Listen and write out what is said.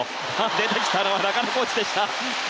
出てきたのは中野コーチでした。